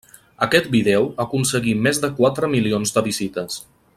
Aquest vídeo aconseguí més de quatre milions de visites.